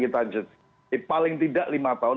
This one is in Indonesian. kita paling tidak lima tahun